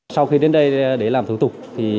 sau khi đến đây để làm thủ tục